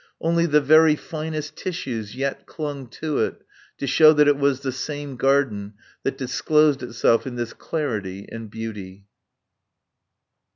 Only the very finest tissues yet clung to it, to show that it was the same garden that disclosed itself in this clarity and beauty.